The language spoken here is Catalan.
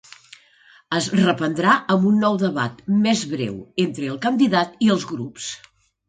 Es reprendrà amb un nou debat, més breu, entre el candidat i els grups.